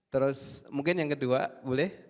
terus mungkin yang kedua boleh